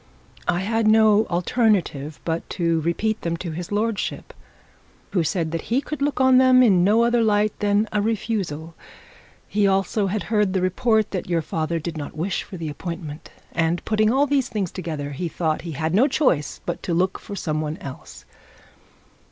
I had no alternative but to repeat them to his lordship, who said that he could look on them in no other light than a refusal. He also had heard the report that your father did not wish for the appointment, and putting all these things together, he thought he had not choice but to look for some one else.